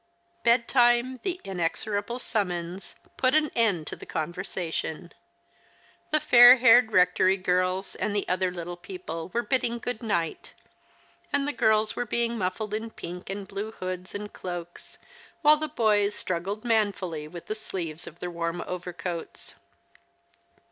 Bedtime, the inexorable summons, put an end to the conversation. The fair haired Rectory girls and the other little people Avere bidding good night, and the girls were being muffled in pink and blue hoods and cloaks, while the boys struggled manfully with the sleeves of their warm overcoats.